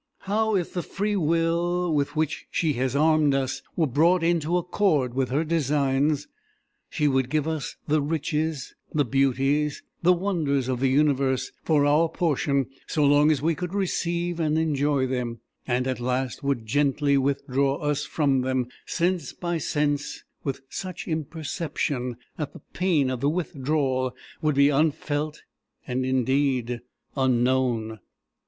How, if the free will with which she has armed us were brought into accord with her designs, she would give us the riches, the beauties, the wonders of the Universe for our portion so long as we could receive and enjoy them; and at last would gently withdraw us from them, sense by sense, with such imperception that the pain of the withdrawal would be unfelt and indeed unknown.